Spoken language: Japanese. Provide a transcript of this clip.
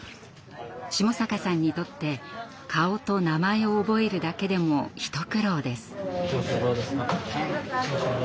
下坂さんにとって顔と名前を覚えるだけでも一苦労です。